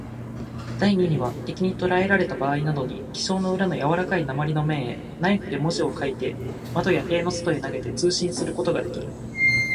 第二には、敵にとらえられたばあいなどに、記章の裏のやわらかい鉛の面へ、ナイフで文字を書いて、窓や塀の外へ投げて、通信することができる。